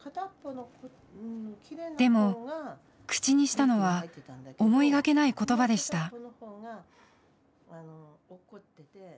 でも口にしたのは思いがけない言葉でした。